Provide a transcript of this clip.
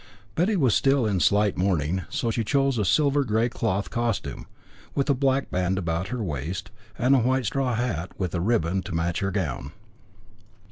Betty was still in slight mourning, so she chose a silver grey cloth costume, with a black band about her waist, and a white straw hat, with a ribbon to match her gown.